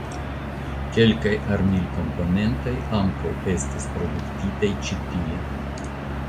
Kelkaj armilkomponentoj ankaŭ estis produktitaj ĉi tie.